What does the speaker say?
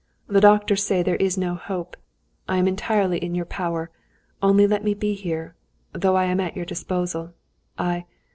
The doctors say there is no hope. I am entirely in your power, only let me be here ... though I am at your disposal. I...."